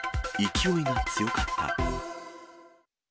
勢いが強かった。